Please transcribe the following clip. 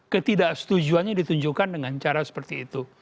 ketidaksetujuannya ditunjukkan dengan cara seperti itu